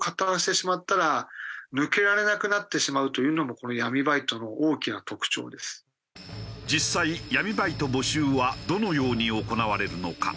そういった実際闇バイト募集はどのように行われるのか？